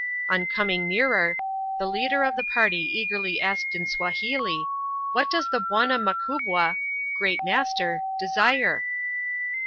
On coming nearer, the leader of the party eagerly asked in Swahili, "What does the Bwana Makubwa ("Great Master") desire?"